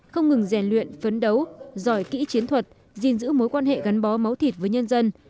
không ngừng rèn luyện phấn đấu giỏi kỹ chiến thuật gìn giữ mối quan hệ gắn bó máu thịt với nhân dân